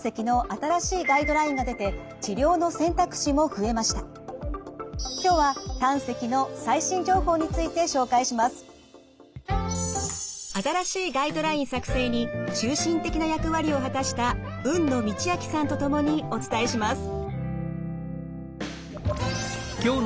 新しいガイドライン作成に中心的な役割を果たした海野倫明さんと共にお伝えします。